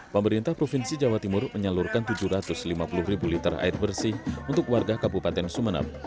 pemerintah provinsi jawa timur menyalurkan tujuh ratus lima puluh ribu liter air bersih untuk warga kabupaten sumeneb